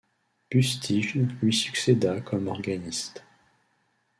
Bustijn lui succéda comme organiste.